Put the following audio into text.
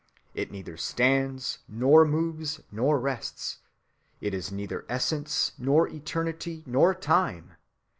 It neither stands, nor moves, nor rests.... It is neither essence, nor eternity, nor time.